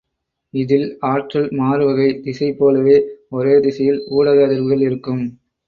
இதில் ஆற்றல் மாறுகை, திசை போலவே ஒரே திசையில் ஊடக அதிர்வுகள் இருக்கும்.